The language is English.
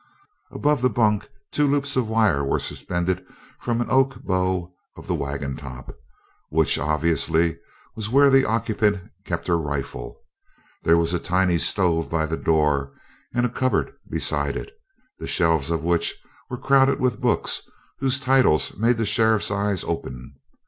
Above the bunk two loops of wire were suspended from an oak bow of the wagon top, which obviously was where the occupant kept her rifle. There was a tiny stove by the door and a cupboard beside it, the shelves of which were crowded with books whose titles made the sheriff's eyes open.